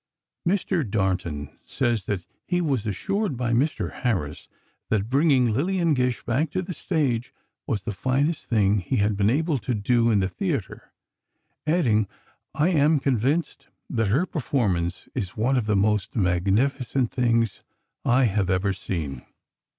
Mr. Darnton says that he was assured by Mr. Harris that bringing Lillian Gish back to the stage was the finest thing he had been able to do in the theatre, adding: "I am convinced that her performance is one of the most magnificent things I have ever seen."